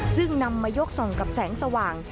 ซึ่งนำมายกส่องกับแสงสว่าง